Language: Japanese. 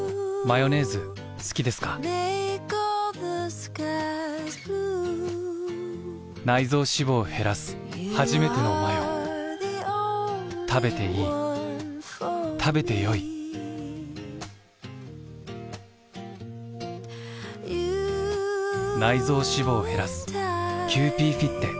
ヨネーズ好きですか臓脂肪を減らすはじめてのマヨべていい食べてよいキユーピーフィッテ」